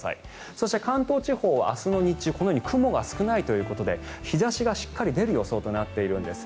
そして、関東地方は明日の日中このように雲が少ないということで日差しがしっかり出る予想となっているんです。